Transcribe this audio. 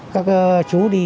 các chú đi